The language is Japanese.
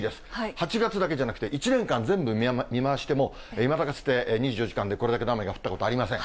８月だけじゃなくて、１年間全部見回してもいまだかつて、２４時間でこれだけの雨が降ったことありません。